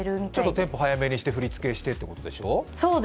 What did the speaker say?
テンポ速めにして、振り付けしてってことでしょ。